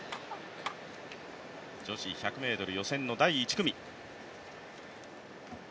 女子１００ｍ予選の第１組。